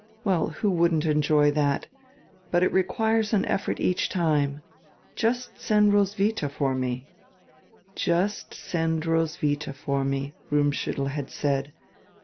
Well, who wouldn't enjoy diat? But it requires an effort each time. Just send Roswidia for me." "Just send Roswidia for me," Rummschuttel had said.